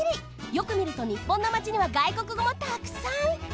よくみるとにっぽんのマチには外国語もたくさん！